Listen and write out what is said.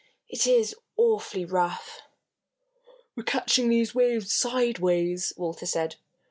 "It is awfully rough." "We're catching these waves sideways," Walter said.